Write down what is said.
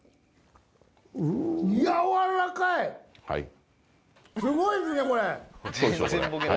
はい。